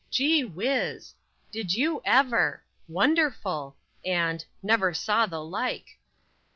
"Gee whizz!" "Did you ever!" "Wonderful!" and "Never saw the like!"